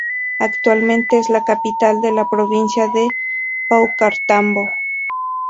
Actualmente es la capital de la provincia de Paucartambo.